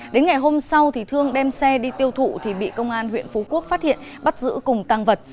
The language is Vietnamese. đến ngày hôm sau thì thương đem xe đi tiêu thụ thì bị công an huyện phú quốc phát hiện bắt giữ cùng tăng vật